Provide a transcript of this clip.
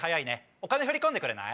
お金振り込んでくれない？